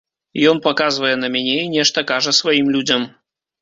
Ён паказвае на мяне і нешта кажа сваім людзям.